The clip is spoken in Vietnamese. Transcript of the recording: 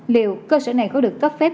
liệu cơ sở này có được cấp phép